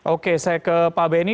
oke saya ke pak benny